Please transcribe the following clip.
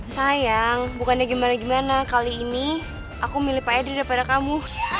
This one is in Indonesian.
sayang bukannya gimana gimana kali ini aku milih pak edri daripada kamu